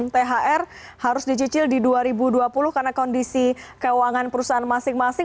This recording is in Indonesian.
thr harus dicicil di dua ribu dua puluh karena kondisi keuangan perusahaan masing masing